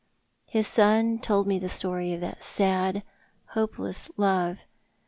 His sou told me the story of that sad, hopeless love.